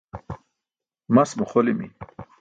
Mas maxolimi.